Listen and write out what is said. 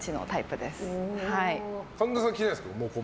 神田さんは着ないですか？